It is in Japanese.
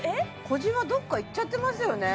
小じわどっかいっちゃってますよね